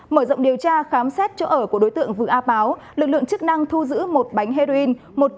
mở rộng điều tra khám xét chỗ ở của đối tượng vừa a páo lực lượng chức năng thu giữ một bánh heroin